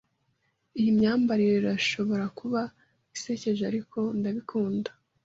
Iyi myambarire irashobora kuba isekeje, ariko ndabikunda.